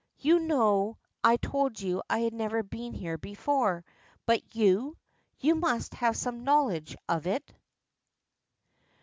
You know I told you I had never been here before. But you you must have some knowledge of it."